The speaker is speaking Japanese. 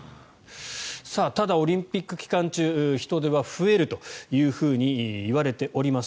ただ、オリンピック期間中人出は増えるといわれております。